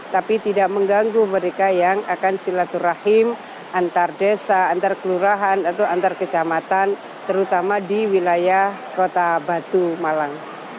tapi tidak mengganggu mereka yang akan silaturahim antar desa antar kelurahan atau antar kecamatan terutama di wilayah kota batu malang